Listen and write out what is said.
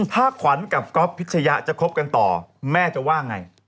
ถ้าขวัญกับก๊อฟพิชยะจะคบกันต่อแม่จะว่าไง